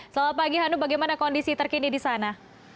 selamat pagi hanum bagaimana kondisi terkini di sana